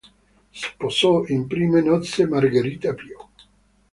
Sposò in prime nozze Margherita Pio.